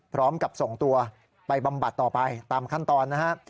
พร้อมกับส่งตัวไปบำบัดต่อไปตามขั้นตอนนะฮะ